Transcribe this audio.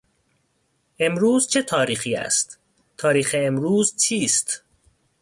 امروز چه تاریخی است؟ تاریخ امروز چیست؟